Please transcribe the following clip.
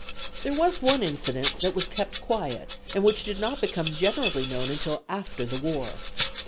There was one incident that was kept quiet and which did not become generally known until after the war.